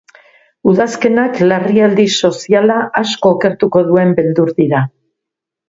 Udazkenak larrialdi soziala asko okertuko duen beldur dira.